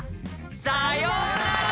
さようなら！